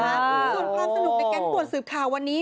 ส่วนความสนุกในแก๊งปวดสืบข่าววันนี้